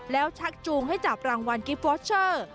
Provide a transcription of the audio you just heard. แล้วชักจูงให้จับรางวัลกิฟต์วอเชอร์